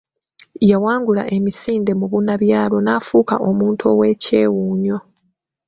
Yawangula emisinde mubunabyalo n’afuuka omuntu ow’ekyewuunyo.